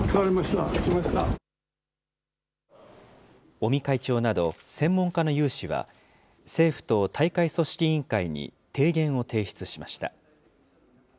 尾身会長など専門家の有志は、政府と大会組織委員会に提言を提出しました。